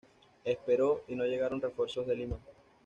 Esperó y no llegaron refuerzos de Lima.